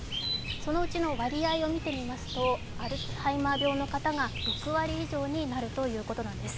そのうちの割合を見てみますとアルツハイマー病の方が６割以上になるということなんです。